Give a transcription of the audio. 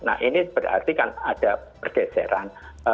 nah ini berarti kan ada pergeseran